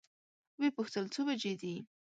وې پوښتل څو بجې دي؟